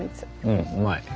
うんうまい。